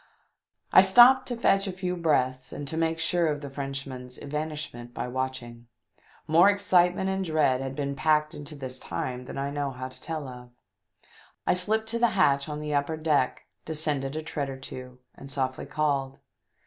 I stopped to fetch a few breaths and to make sure of the Frenchman's evanishment by watching. More excitement and dread had been packed into this time than I know how to tell of. I slipped to the hatch on the upper deck, descended a tread or two, and softly called.